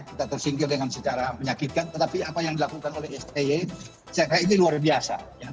kita tersingkir dengan secara menyakitkan tetapi apa yang dilakukan oleh sti saya kira ini luar biasa